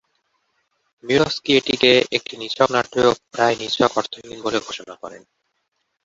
মিরস্কি এটিকে "একটি নিছক নাটক, প্রায় নিছক অর্থহীন" বলে ঘোষণা করেন।